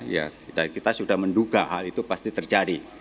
ya kita sudah menduga hal itu pasti terjadi